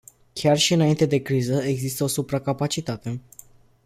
Chiar și înainte de criză exista o supracapacitate.